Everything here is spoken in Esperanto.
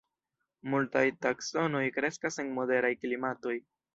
Multaj taksonoj kreskas en moderaj klimatoj.